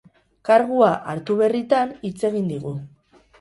Kargua hartu berritan hitz egin digu.